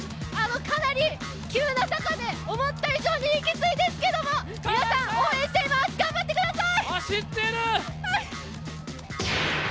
かなり急な坂で、思った以上にきついですけれども、皆さん、応援しています、頑張ってください！